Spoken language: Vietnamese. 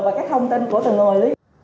và các thông tin của từng người